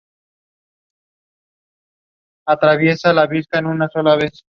Los juveniles son menos estriados por abajo con la mandíbula inferior rosácea.